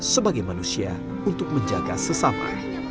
sebagai manusia untuk menjaga sesama